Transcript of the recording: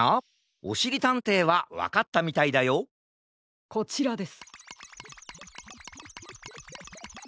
おしりたんていはわかったみたいだよこちらです。